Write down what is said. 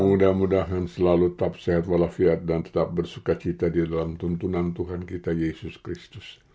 mudah mudahan selalu tetap sehat walafiat dan tetap bersuka cita di dalam tuntunan tuhan kita yesus kristus